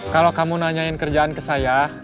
kalau kamu nanyain kerjaan ke saya